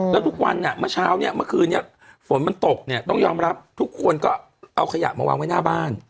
และทุกวันนี้มะเช้ามะคืนนี้ฝนมันตกต้องยอมรับทุกคนก็เอาขยะมาวางแบบหน้าบ้าน